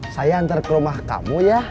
saya antar ke rumah kamu ya